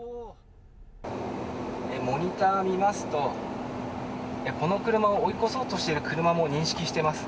モニター見ますとこの車を追い越そうとしてる車も認識しています。